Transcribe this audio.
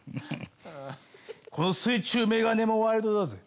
この水中眼鏡もワイルドだぜ。